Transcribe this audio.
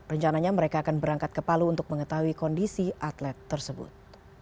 rencananya mereka akan berangkat ke palu untuk mengetahui kondisi atlet tersebut